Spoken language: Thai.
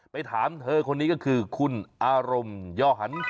ถามเธอคนนี้ก็คือคุณอารมณ์ย่อหัน